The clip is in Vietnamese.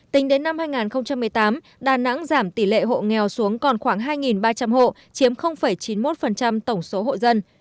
tính đến năm hai nghìn một mươi tám đà nẵng giảm tỷ lệ hộ nghèo xuống còn khoảng hai ba trăm linh hộ chiếm chín mươi một tổng số hộ dân